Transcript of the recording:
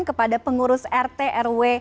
kepada pengurus rt rw